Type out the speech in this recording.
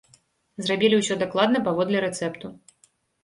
Зрабілі ўсё дакладна паводле рэцэпту.